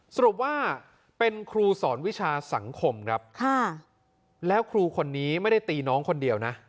สรุปว่าเป็นครูสอนวิชาสังคมครับแล้วครูคนนี้ไม่ได้ตีน้องคนเดียวนะ